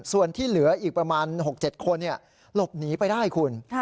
ส่วนที่เหลืออีกประมาณ๖๗คนหลบหนีไปได้คุณ